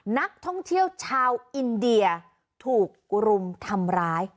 นักท่องเที่ยวชาวอินเดียถูกรุมทำร้าย